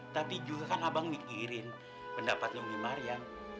tapi juga kan abang mikirin pendapatnya umi maryam